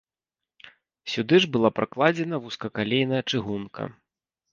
Сюды ж была пракладзена вузкакалейная чыгунка.